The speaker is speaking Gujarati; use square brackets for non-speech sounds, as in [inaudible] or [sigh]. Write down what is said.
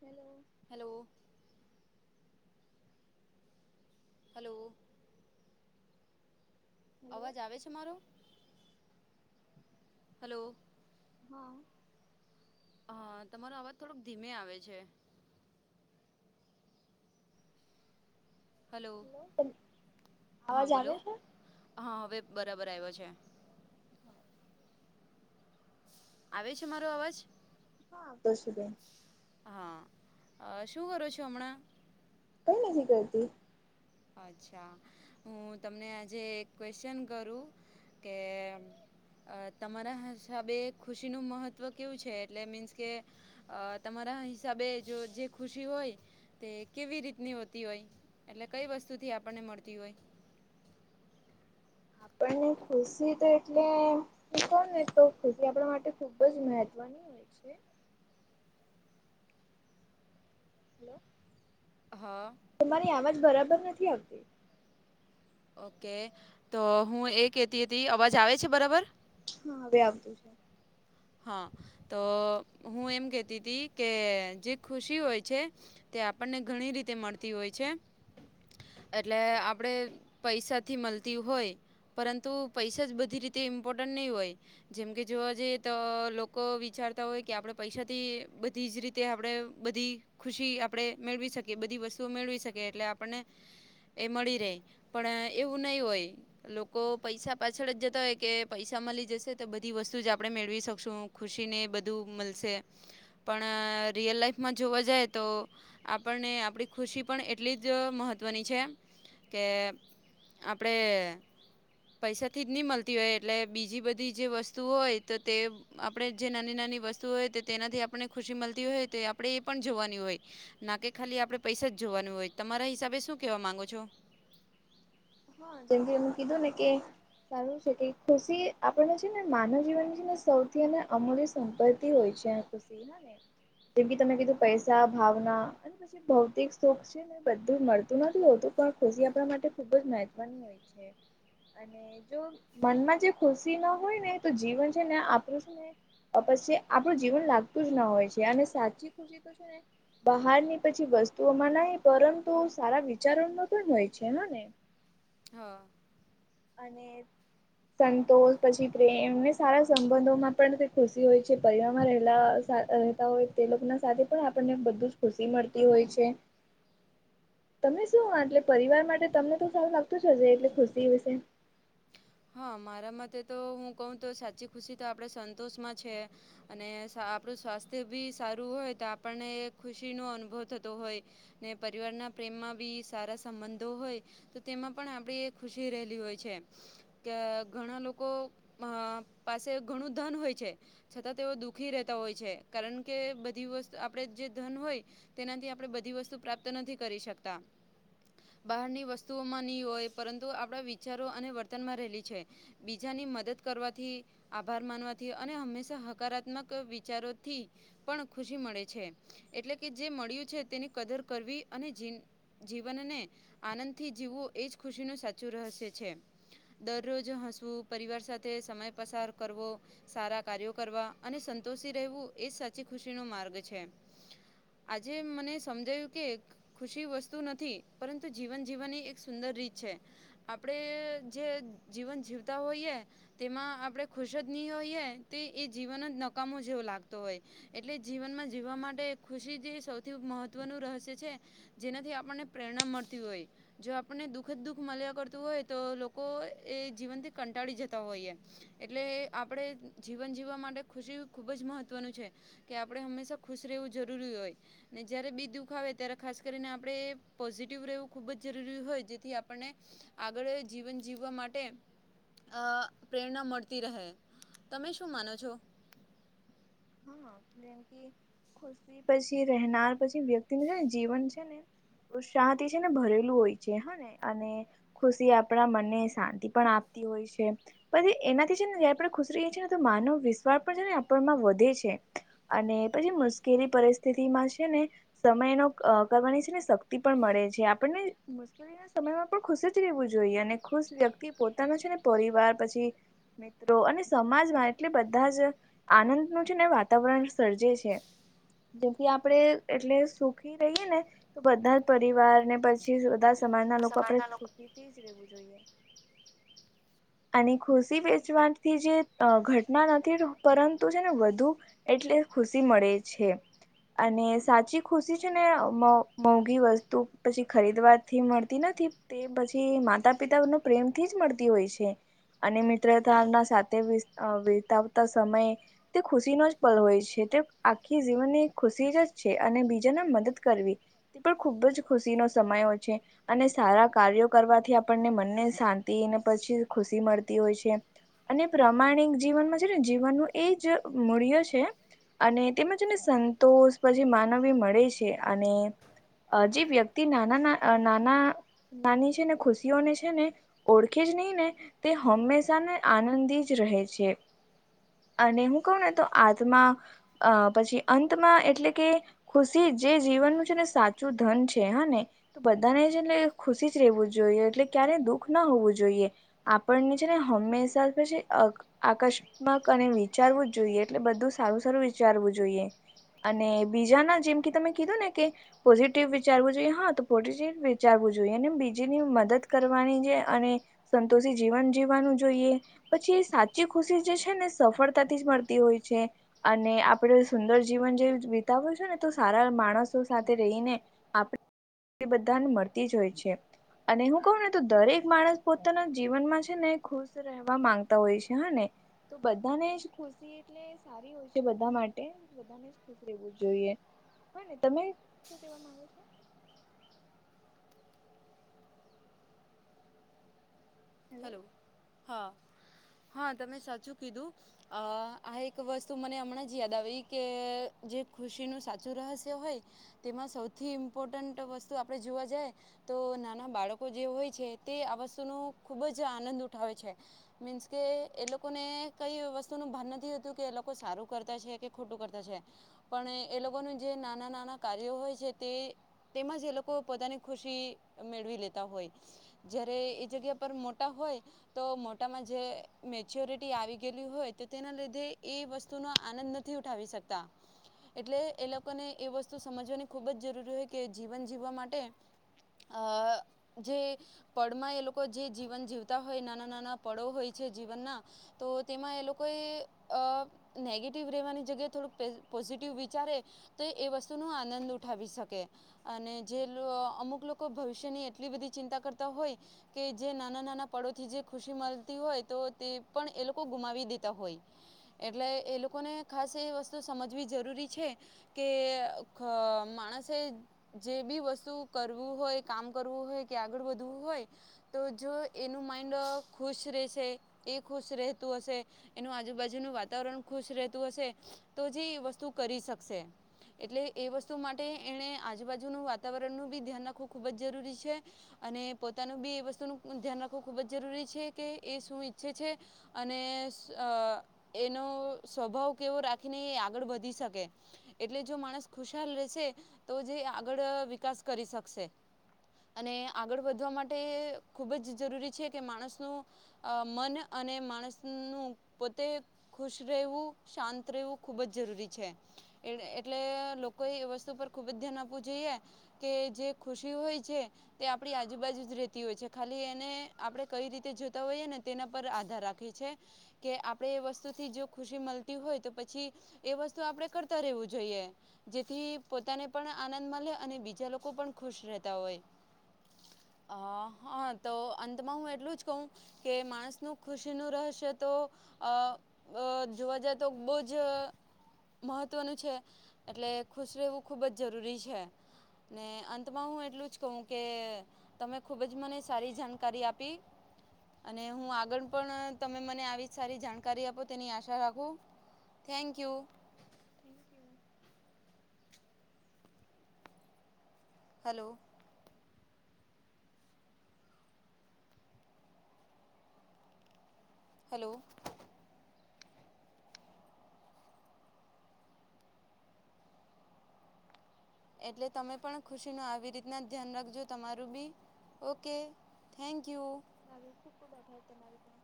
હેલો. હેલો. હલો. હેલો અવાજ આવે છે, મારો? હલો. હા. હા તમારો અવાજ થોડોક ધીમે આવે છે. હલો હેલો હા અવાજ બોલો આવે છે હા હવે બરાબર આયવો છે. હા આવે છે, મારો અવાજ? હ આવતો છે, બેન હા અ શું કરો છો હમણાં? કંઈ નથી કરતી. અચ્છા હું તમને આજે એક ક્વેશ્ચન કરું કે અ તમારા હિસાબે ખુશીનું મહત્ત્વ કેવું છે, એટલે મીન્સ કે અ તમારા હિસાબે જોજે ખુશી હોય તે કેવી રીતની હોતી હોય? એટલે કઈ વસ્તુથી આપણને મળતી હોય? આપણ ખુશી તો એટલે કયોને નેતો ખુશી આપણા માટે ખુબ જ મહત્વ ની હોય છે. હલો. હ. તમારી આવાજ બરાબર નથી આવતી ઓકે તોહું એ કેતી હતી અવાજ આવે છે, બરાબર? હા હવે આવતું છે. હ તો હું એમ કેતીતી કે જે ખુશી હોય છે. તે આપણને ઘણી રીતે મળતી હોય છે. એટલે આપણે પૈસાથી મલતી હોય. પરંતુ પૈસા જ બધી રીતે ઇમ્પોર્ટન્ટની હોય જેમકે જોવા જઈએ તો લોકો વિચારતા હોય કે આપણે પૈસાથી બધી જ રીતે આપણે બધી ખુશી આપણે મેળવી શકીએ બધી વસ્તુઓ મેળવી શકીએ એટલે આપણને, એ મળી રહે પણ એવું નહીં હોય, લોકો પૈસા પાછળ જ જતા હોય કે પૈસા મળી જશે તો બધી વસ્તુ જ આપે. આપણે મેળવી શકશું ખુશીને બધું મળશે. પણ રિયલ લાઈફમાં જોવા જાયતો, આપણને આપણી ખુશી પણ એટલી જ મહત્ત્વની છે, કે આપણે પૈસાથી જ નહીં મળતી હોય એટલે બીજી બધી જે વસ્તુ હોય, તો તે, આપણે જે નાની- નાની વસ્તુ હોય તેનાથી આપને ખુશી મળતી હોય તો આપણે એ પણ જોવાની હોય. ના કે ખાલી આપડે પૈસા જ હોય હિસાબે શું કેવા માંગો છો, જેમ કે, હું કીધું ને કે. સારું છે, કે ખુશી આપને છે, ને માનવ જીવનની છે, ને સૌથી અને અમૂલ્ય. સંપત્તિ હોય છે, જેમ કે તમે કીધું પૈસા ભાવના. ભૌતિક સુખ છે, બધું મળતું નથી હોતું પણ ખુશી આપણા માટે ખુબ જ માટે. બન થયુ છે, અને જો મનમાં જે ખુશીમા હોય નેતો જીવન છે, ને આપડું છે. પછી આપણું જીવન લાગતું જના હોય છે, અને સાચી ખુશી તો છે, ને બહારની પછી વસ્તુઓમાં નહીં પરંતુ સારા વિચારોમાં પણ હોય છે, હેને? હા [inaudible] અને [inaudible] સંતોષ પછી પ્રેમને સારા સંબંધોમાં પણ ખુશી હોય છે, પરિવાર માં રહેલા રહેતા હોય તે લોકોના સાથે પણ આપણને બધું જ ખુશી હોય‌ છે. તમે શું એટલે પરિવાર માટે તમને તો સારું લાગતું જ હશે એટલે ખુશી વિશે, હા મારા માટે તો હું કહું તો સાચી ખુશી તો આપણે સંતોષમાં છે અને આપણું સ્વાસ્થ્ય બી સારું હોય તો આપણને ખુશી નો અનુભવ થતો હોય ને પરિવારના પ્રેમમાં બી સારા સંબંધો હોય તો તેમાં પણ આપડી એ ખુશી રહેલી હોય છે. કે ઘણા લોકો પાસે ઘણું ધન હોય છે. છતાં તેઓ દુઃખી રહેતા હોય છે કારણ કે બધી વસ્તુ આપડ જે ધન હોય તેનાથી આપણે બધી વસ્તુ પ્રાપ્ત નથી કરી શકતા, બહારની વસ્તુઓમાં નહી હોય પરંતુ આપણા વિચારો અને વર્તનમાં રહે, છે બીજાની મદદ કરવાથી, આભાર માનવાથી અને હંમેશા હકારાત્મક વિચારોથી પણ ખુશી મળે છે. એટલે કે જે મળ્યું છે તેની કદર કરવી અને જીન જીવનને આનંદથી જીવવું એ જ ખુશીનું સાચું રહસ્ય છે. દરરોજ હસવું પરિવાર સાથે સમય પસાર કરવો, સારા કાર્યો કરવા અને સંતોષી રહેવું એ સાચી ખુશીનો માર્ગ છે. આજે મને સમજાયું કે, ખુશી વસ્તુ નથી. પરંતુ જીવન જીવવાની એક સુંદર રીત છે. આપણે, જે જીવન જીવતા હોઈએ, તેમાં આપણે ખુશ જ નહી હોઈએ તો એ જીવન જ નકામો જેવો લાગતો હોય. એટલે જીવનમાં જીવવા માટે ખુશી જે સૌથી મહત્વનું રહસ્ય છે, જેનાથી આપણને પ્રેરણા મળતી હોય. જો આપણને દુઃખ જ દુખ મળ્યા કરતું હોય તો લોકો એ જીવન થી કંટાળી જતા હોયએ એટલે આપણે જીવન જીવવા માટે ખુશી ખુબ જ મહત્વનું છે, કે આપડણે હંમેશા ખુશ રહેવું જરૂરી હોય. ને જય્યારે બી દુઃખ આવે ત્યારે ખાસ કરીને આપણે પોઝિટિવ રહેવું ખૂબ જ જરૂરી હોય જેથી આપણને આગળે જીવન જીવવા માટે. અ પ્રેરણા મળતી રહે. તમે શું માનો છો? હા જેમ પછી પછી રહેનાર પછી વ્યક્તિ ન છે ને જીવન છે ને ઉત્સાહથી છે ને ભરેલું હોય છે હા ને અને ખુશી આપણા મનને શાંતિ પણ આપતી હોય છે. પછી એનાથી છે ને જયારે આપણે ખુસરી છીએને તો માનવ વિશ્વાસ પણ છે ને આપણમાં વધે. છે અને પછી મુશ્કેલી પરિસ્થિતિમાં છે ને સમયનો અ કરવાની છે ને શક્તિ પણ મળે છે આપણને મુશ્કેલીના સમયમાં પણ ખુશી રહેવું જોઈએ અને ખુશ વ્યક્તિ પોતાના છે ને પરિવાર પછી મિત્રો અને સમાજમાં એટલે બધા જ આનંદ ન છેને વાતાવરણ સર્જે છે જેમ કી આપણેે એટલે સુખી રહીએ ને તો બધા જ પરિવાર ને પછી બધા સમાજના લોકો આપણે સુખીથી જ રહેેવું જોઈએ અને ખુશી વેચવાથી જે અ ઘટના નથી પરંતુ છે વધુ એટલે ખુશી મળે છે. અને સાચી ખુશી છે ને મો મોંઘી વસ્તુ પછી ખરીદવાથી મળતી નથી. તે પછી માતા પિતા નુ પ્રેમથી જ મળતી હોય છે. અને મિત્રતાના સાથે વિ વિતાવતા સમય તે ખુશીનો જ પલ હોય છે તે આખી જીવનની ખુશી જ છે અને બીજાને મદદ કરવી તે પણ ખુબ જ ખુશીનો સમયો છે. અને સારા કાર્યો કરવાથી આપણને મનને શાંતિ અનેને પછી ખુશી મળતી હોય છે. અને પ્રામાણિક જીવનમાં છે ને જીવન એજ મૂળ્ય છે. અને તેમજ અને સંતોષ પછી માનવી મળે અને અ જે વ્યક્તિ નાના ના નાના નાની છે ને ખુશીઓને છે ને ઓળખે જ નહી ને. તે હંમેશાને આનંદી જ રહે છે. અને હું કહું ને તો આત્મા અ પછી અંતમાં એટલે કે ખુશી જે જીવનનું છે ને સાચું ધન છે હા ને તો બધાને જ એટલે ખુશી જ રહેવું જોઈએ એટલે ક્યારેય દુઃખ ના હોવું જોઈએ. આપણને છે ને હમેશા થી પછે. આકસ્મક અને વિચારવું જ જોઈએ એટલે બધું સારું સારું વિચારવું જોઈએ. અને બીજાના જેમ કે તમે કીધું ને કે. પોઝિટિવ વિચારવું જોઈએ હા તો પોઝિટિવ વિચારવું જોઈએ અને બીજીની મદદ કરવાની જે અને તોછી જીવન જીવવાનું જોઈએ. પછી એ સાચી ખુશી જે છે ને સફળતાથી જ મળતી હોય છે. અને આપડે સુંદર જીવન જેવું વિતાઉ છે ને સારા માણસો સાથે રહીને આપ બધાને મળતી જ હોય છે અને હું કહું ને તો દરેક માણસ પોતાના જીવનમાં છે ને ખુશ રહેવા માંગતા હોય છે હા ને તો બધાને જ ખુશી એટલે એ સારી હોય છે બધા માટે. ુ [unintelligible] રહેવું જોઈએ હને તમે શુંવા માંગો છો હેલો હા હા તમે સાચું કીધું. અ આ એક વસ્તુ મને હમણાં જ યાદ આવી કે જે ખુશીનું સાચું રહસ્ય હોય તેમાં સૌથી ઇમ્પોર્ટન્ટ વસ્તુ આપણે જોવા જાય તો નાના બાળકો જે હોય છે તે આ વસ્તુનો ખુબ જ આનંદ ઉઠાવે છે. મીન્સ કે એ લોકોને કઈ વસ્તુનું ભાન નથી તું કે એ લોકો સારું કરતા છે, કે ખોટું કરતા છે. પણ એ લોકોનું જે નાના નાના કાર્યો હોય છે, તે તેમાં જ એ લોકો પોતાની ખુશી મેળવી લેતા હોય જયારે એ જગ્યા પર મોટા હોય તો મોટામાં જે મેચ્યોરિટી આવી ગયેલી હોય તો તેના લીધે એ વસ્તુનો આનંદ ન થી ઉઠાવી શકતા. એટલે એ લોકોને એ વસ્તુ સમજવાની ખૂબ જ જરૂરી હોય કે જીવન જીવવા માટે અ જે પડમાં એ લો કો જે જીવન જીવતા હોય નાના નાના પળો હોય છે, જીવનના તો તેમાં એ લોકોએ અ નેગેટિવ રહેેવાની જગ્યાએ થોડુંક પે પોઝિટિવ વિચારે તે એ વસ્તુનુ આનંદ ઉઠાવી શકે અને જે અ અમુક લોકો ભવિષ્યની એટલી બધી ચિંતા કરતા હોય. કે જે નાના નાના પળોથી જે ખુશી મલતી હોય તો તે પણ એ લોકો ગુમાવી દેતા હોય. એટલે એ લોકોને ખાસ એ વસ્તુ સમજવી જરૂરી છે. કે ખ માણસે જે બી વસ્તુ કરવું હોય કામ કરવું હોય કે આગળ વધવું હોય તો જો એનું માઇન્ડ ખુશ રેશે એ ખુશ રહેતું હશે એનું આજુબાજુનું વાતાવરણ ખુશ રહેતું હશે તો જે વસ્તુ કરી શકશે એટલે એ વસ્તુ માટે એણે આજુબાજુનું વાતાવરણનું બી ધ્યાન રાખવું ખુબ જ જરૂરી છે. અને પોતાનું બી એ વસ્તુનું ધ્યાન રાખવું ખૂબ જ જરૂરી છે, કે એ શું ઈચ્છે છે. અને અ એનો સ્વભાવ કેવો રાખીને એ આગળ વધી શકે એટલે જો માણસ ખુશહાલ રહેશે તો જે આગળ વિકાસ કરી શકશે. અને આગળ વધવા માટે ખુબ જ જરૂરી છે, કે માણસનું અ મન અને માણસનું પોતે ખુશ રહેવું શાંત રેવું ખુબ જ જરૂરી છે. એટલે લોકોએ એ વસ્તુ પર ખુબ જ ધ્યાન આપવું જોઈએ. કે જે ખુશી હોય છે, તે આપણી આજુબાજુ જ રેતી હોય છે. ખાલી એને આપડે કઈ રીતે જોતા હોઈએ ને તેના પર આધાર રાખી છે. કે આપણે એ વસ્તુથી જો ખુશી મલતી હોય તો પછી એ વસ્તુ આપણે કરતા રહેવું જોઈએ. જેથી પોતાને પણ આનંદ મલે અને બીજા લોકો પણ ખુશ રહેતા હોય. અ હા તો અંતમાં હું એટલું જ કહું કે માણસનું ખુશીનું રહસ્ય તો અ અ જોવા જાય તો બો જ મહત્ત્વનું છે, એટલે ખુશ રહેવું ખૂબ જ જરૂરી છે. ને અંતમાં હું એટલું જ કહું કે તમે ખૂબ મને સારી જાણકારી આપી અને હું આગળ પણ તમે મને આવી સારી જાણકારી આપો તેની આશા રાખું thank you. Thank you hello. Hello. એટલે તમે પણ ખુશીનો આવી રીતના ધ્યાન રાખજો તમારું બી ઓકે થેન્કયુ. આવું ખુબ ખુબ આભાર તમારો પણ